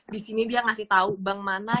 di sini dia ngasih tahu bank mana